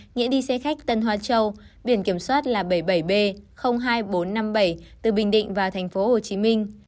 nghĩa đi xe khách tân hoa châu biển kiểm soát là bảy mươi bảy b hai nghìn bốn trăm năm mươi bảy từ bình định vào tp hcm